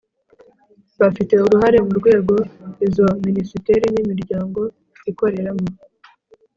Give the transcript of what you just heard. bafite uruhare mu rwego izo minisiteri n' imiryango ikoreramo.